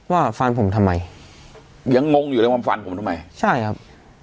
ว่าฟันผมทำไมยังงงอยู่เลยว่าฟันผมทำไมใช่ครับ